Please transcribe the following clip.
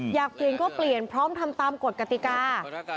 อยากเปลี่ยนก็เปลี่ยนพร้อมทำตามกฎกติกา